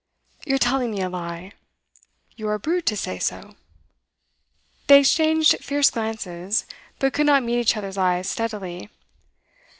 'You're telling me a lie.' 'You're a brute to say so!' They exchanged fierce glances, but could not meet each other's eyes steadily.